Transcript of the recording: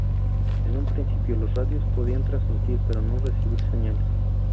En un principio, las radios podían transmitir pero no recibir señales.